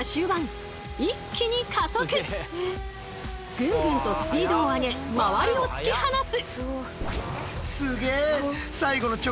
グングンとスピードを上げ周りを突き放す！